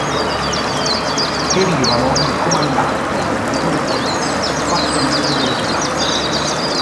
Perirono il comandante, Salvatore Di Gaetano e quattro membri dell'equipaggio.